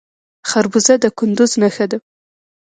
خربوزه د کندز نښه ده.